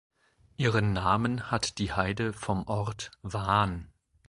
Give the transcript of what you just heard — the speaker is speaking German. Ihren Namen hat die Heide vom Ort „Wahn“.